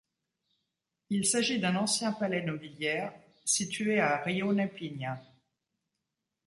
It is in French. Il s'agit d'un ancien palais nobiliaire, situé Rione Pigna.